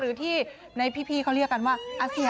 หรือที่ในพี่เขาเรียกกันว่าอาเซียน